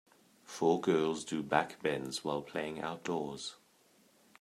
Four girls do backbends while playing outdoors.